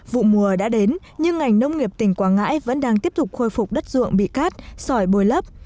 vụ mùa đã đến nhưng ngành nông nghiệp tỉnh quảng ngãi vẫn đang tiếp tục khôi phục đất ruộng bị cắt sỏi bồi lấp